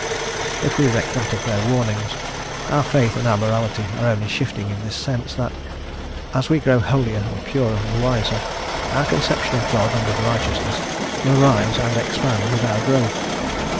But we reck not of their warnings; our faith and our morality are only shifting in this sense, that, as we grow holier, and purer, and wiser, our conception of God and of righteousness will rise and expand with our growth.